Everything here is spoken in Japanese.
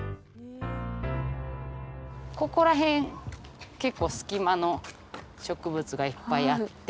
ここら辺結構スキマの植物がいっぱいあって。